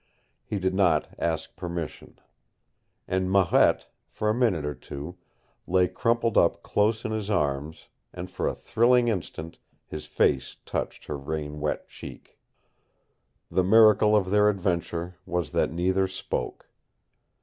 He did not ask permission. And Marette, for a minute or two, lay crumpled up close in his arms, and for a thrilling instant his face touched her rain wet cheek. The miracle of their adventure was that neither spoke.